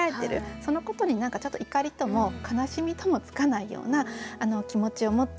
そのことにちょっと怒りとも悲しみともつかないような気持ちを持っている。